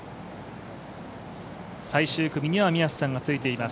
最終組には宮瀬さんがついています。